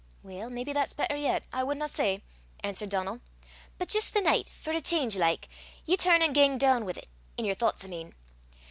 "Weel, maybe that's better yet I wadna say," answered Donal; "but jist the nicht, for a cheenge like, ye turn an' gang doon wi' 't i' yer thouchts, I mean.